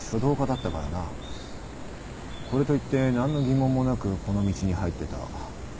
これといって何の疑問もなくこの道に入ってた。